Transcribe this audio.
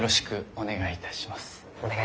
お願いいたします。